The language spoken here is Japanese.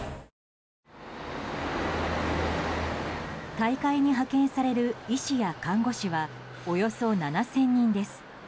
大会に派遣される医師や看護師はおよそ７０００人です。